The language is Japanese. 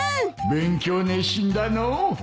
勉強熱心だのう。